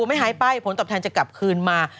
ไม่หายไปผลตอบแทนจะกลับคืนมา